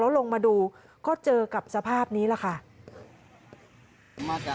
ลงมาดูก็เจอกับสภาพนี้แหละค่ะ